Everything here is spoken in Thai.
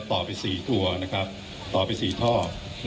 คุณผู้ชมไปฟังผู้ว่ารัฐกาลจังหวัดเชียงรายแถลงตอนนี้ค่ะ